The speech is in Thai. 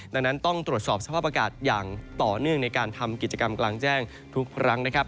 ดังนั้นต้องตรวจสอบสภาพอากาศอย่างต่อเนื่องในการทำกิจกรรมกลางแจ้งทุกครั้งนะครับ